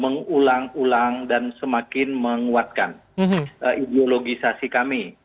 mengulang ulang dan semakin menguatkan ideologisasi kami